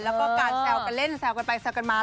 แล้วก็การแซวกันเล่นแซวกันไปแซวกันมา